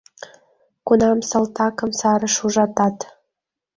Кунам салтакым сарыш ужатат.